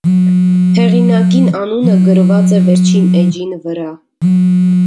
Հեղինակին անունը գրուած է վերջին էջին վրայ։